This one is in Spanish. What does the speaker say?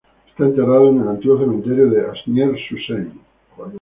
Está enterrado en el antiguo cementerio de Asnieres-sur-Seine.